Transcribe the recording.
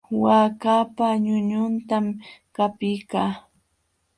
Waakapa ñuñuntam qapiykaa.